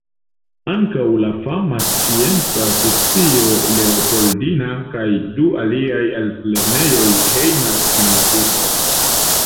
Ankaŭ la fama scienca asocio Leopoldina kaj du aliaj altlernejoj hejmas en la urbo.